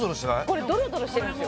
これドロドロしてるんすよ・